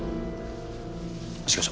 一課長。